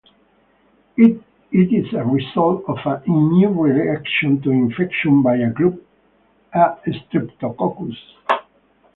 It is a result of an immune reaction to infection by group A streptococcus.